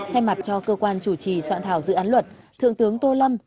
thay mặt cho cơ quan chủ trì soạn thảo dự án luật thượng tướng tô lâm